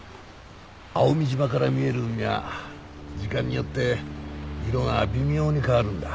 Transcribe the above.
蒼海島から見える海は時間によって色が微妙に変わるんだ。